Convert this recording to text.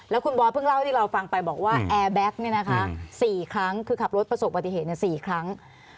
แล้วคุณบอสเพิ่งเล่าให้เราฟังไปบอกว่าแอร์แบ็ค๔ครั้งคือขับรถประสบปฏิเหตุ๔ครั้ง